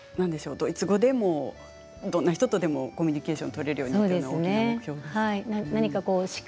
ドイツ語でどんな人とでもコミュニケーションがとれるようにというのが大きな目標ですそうですね。